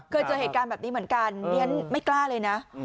เคยเจอเหตุการณ์แบบนี้เหมือนกันดิฉันไม่กล้าเลยนะ